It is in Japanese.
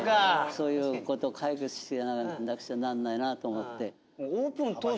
そういう事解決していかなくちゃならないなと思って。